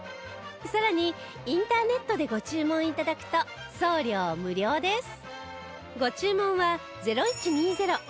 さらにインターネットでご注文頂くと送料無料です